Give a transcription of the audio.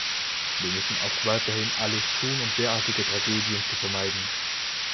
Wir müssen auch weiterhin alles tun, um derartige Tragödien zu vermeiden.